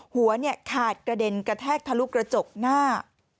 หัวขาดกระเด็นกระแทกทะลุกระจกหน้า